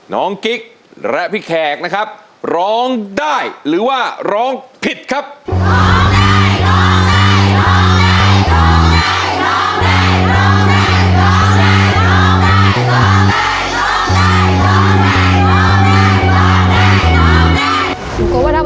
กิ๊กและพี่แขกนะครับร้องได้หรือว่าร้องผิดครับ